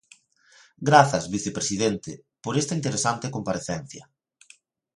Grazas, vicepresidente, por esta interesante comparecencia.